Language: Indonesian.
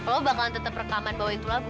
lo bakalan tetep rekaman bahwa itu lagu